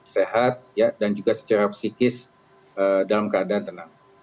sehat dan juga secara psikis dalam keadaan tenang